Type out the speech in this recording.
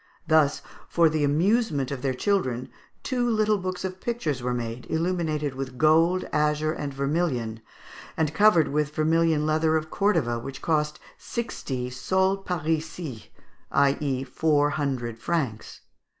Thus, for the amusement of their children, two little books of pictures were made, illuminated with gold, azure, and vermilion, and covered with vermilion leather of Cordova, which cost sixty _sols parisis, i.e. four hundred francs.